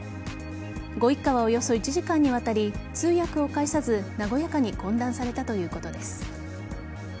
ご一家はおよそ１時間にわたり通訳を介さず和やかに懇談されたということです。